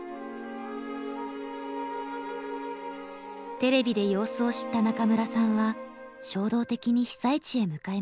テレビで様子を知った中村さんは衝動的に被災地へ向かいました。